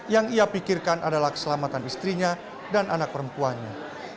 yang ia pikirkan adalah keselamatan istrinya dan anak perempuannya